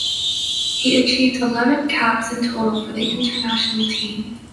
He achieved eleven caps in total for the international team.